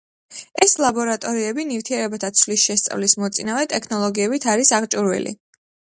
ეს ლაბორატორიები ნივთიერებათა ცვლის შესწავლის მოწინავე ტექნოლოგიებით არის აღჭურვილი.